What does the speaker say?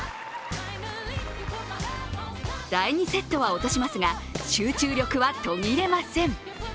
第２セットは落としますが、集中力は途切れません。